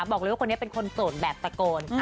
บอกเลยว่าคนนี้เป็นคนโสดแบบตะโกน